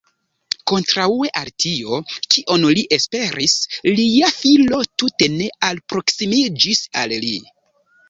Kontraŭe al tio, kion li esperis, lia filo tute ne alproksimiĝis al li.